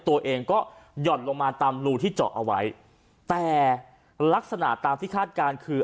ตัวเองก็หย่อนลงมาตามรูที่เจาะเอาไว้แต่ลักษณะตามที่คาดการณ์คือ